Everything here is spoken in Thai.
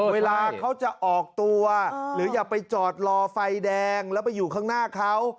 เวลาเขาจะออกตัวหรืออย่าไปจอดรอไฟแดงแล้วไปอยู่ข้างหน้าเขา